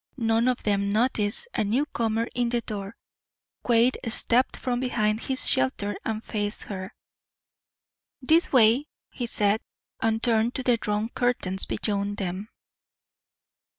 None of them noticed a newcomer in the door. Quade stepped from behind his shelter and faced her. "This way," he said, and turned to the drawn curtains beyond them.